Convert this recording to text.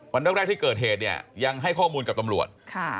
วันแรกที่เกิดเหตุเนี่ยยังให้ข้อมูลกับตำรวจ